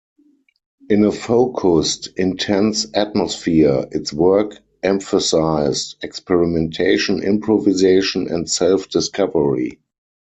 In a focused, intense atmosphere, its work emphasised experimentation, improvisation, and self-discovery.